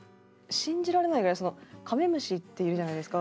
信じられないぐらいそのカメムシっているじゃないですか。